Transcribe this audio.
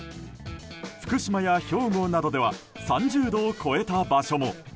福島や兵庫などでは３０度を超えた場所も。